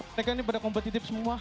mereka ini pada kombo titip semua